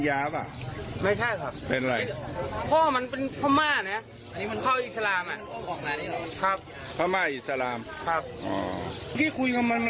จากนั้นในหมองปุ๊มีพฤติกรรมชาวพม่าค่ะ